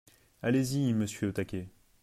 Allez-y, monsieur Taquet.